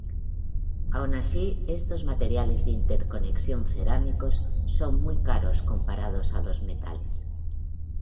Aun así, estos materiales de interconexión cerámicos son muy caros comparados a los metales.